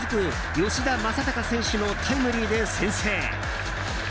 吉田正尚選手のタイムリーで先制。